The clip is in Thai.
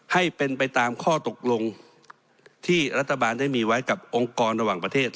ให้เป็นไปตามข้อตกลงที่รัฐบาลได้มีไว้กับองค์กรระหว่างประเทศ